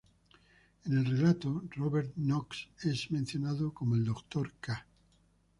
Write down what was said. En este relato Robert Knox es mencionado como "el doctor K.".